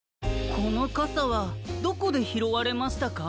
このかさはどこでひろわれましたか？